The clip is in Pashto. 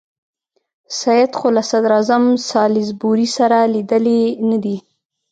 سید خو له صدراعظم سالیزبوري سره لیدلي نه دي.